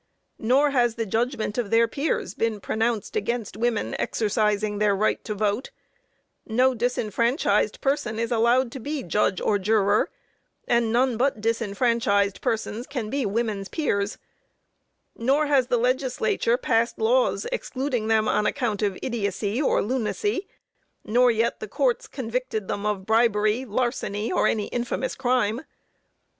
Nor has "the judgment of their peers" been pronounced against women exercising their right to vote; no disfranchised person is allowed to be judge or juror and none but disfranchised persons can be women's peers; nor has the legislature passed laws excluding them on account of idiocy or lunacy; nor yet the courts convicted them of bribery, larceny, or any infamous crime.